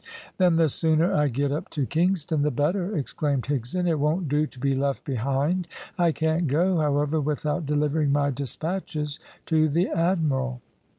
"Then the sooner I get up to Kingston the better," exclaimed Higson. "It won't do to be left behind. I can't go, however, without delivering my despatches to the admiral."